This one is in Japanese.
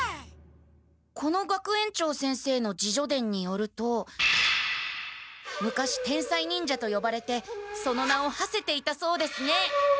この学園長先生の自叙伝によると昔天才忍者とよばれてその名をはせていたそうですね。